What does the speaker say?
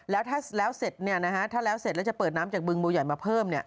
แล้วถ้าแล้วเสร็จแล้วจะเปิดน้ำจากบึงบัวใหญ่มาเพิ่ม